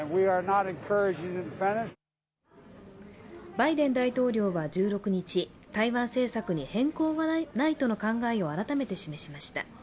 バイデン大統領は１６日、台湾政策に変更はないとの考えを改めて示しました。